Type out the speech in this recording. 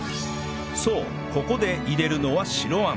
そうここで入れるのは白餡